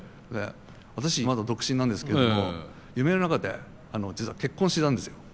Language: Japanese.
私まだ独身なんですけども夢の中で実は結婚してたんですよ。